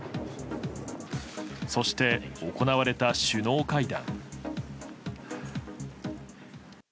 そして行われた首脳会談。